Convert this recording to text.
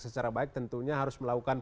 secara baik tentunya harus melakukan